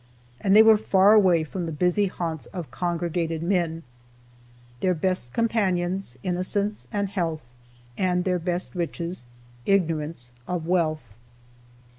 And they were far away from the busy haunts of congregated men, "Their best companions, innocence and health, And their best riches, ignorance of wealth."